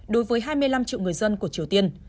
đối với hai mươi năm triệu người dân của triều tiên